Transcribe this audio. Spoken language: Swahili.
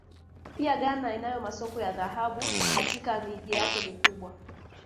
Pia Ghana inayo masoko ya dhahabu katika miji yake mikubwa